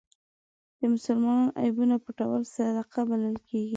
د مسلمان عیبونه پټول صدقه بلل کېږي.